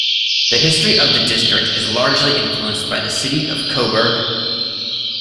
The history of the district is largely influenced by the city of Coburg.